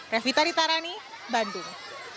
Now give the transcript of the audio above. revita ritarani bandung